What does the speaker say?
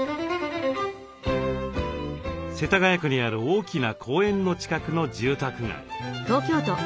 世田谷区にある大きな公園の近くの住宅街。